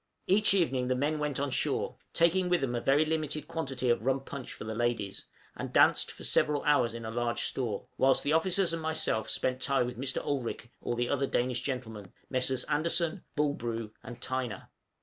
Each evening the men went on shore, taking with them a very limited quantity of rum punch for the ladies, and danced for several hours in a large store; whilst the officers and myself spent the time with Mr. Olrik or the other Danish gentlemen Messrs. Andersen, Bulbrue, and Tyner.